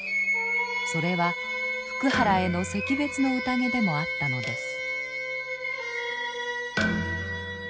それは福原への惜別の宴でもあったのです。